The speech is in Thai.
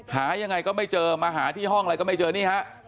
หายังไงก็ไม่เจอมาหาที่ห้องอะไรก็ไม่เจอนี่ฮะ